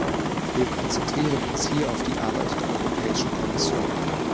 Wir konzentrieren uns hier auf die Arbeit der Europäischen Kommission.